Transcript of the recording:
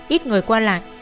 ít người qua lại